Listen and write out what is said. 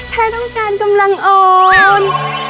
แค่ต้องการกำลังอ่อน